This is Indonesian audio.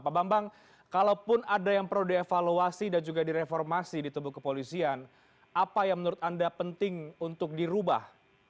pak bambang kalaupun ada yang perlu dievaluasi dan juga direformasi di tubuh kepolisian apa yang menurut anda penting untuk dirubah